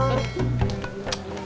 jangan naik dulu mas